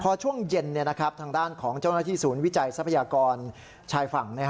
พอช่วงเย็นทางด้านของเจ้าหน้าที่ศูนย์วิจัยทรัพยากรชายฝั่ง